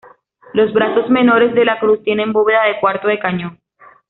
Los brazos menores de la cruz tienen bóveda de cuarto de cañón.